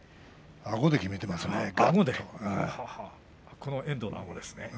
あごできめていますね。